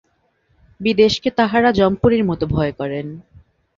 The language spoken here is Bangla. বিদেশকে তাঁহারা যমপুরীর মতো ভয় করেন।